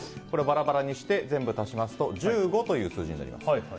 これをバラバラにして全部足しますと１５という数字になります。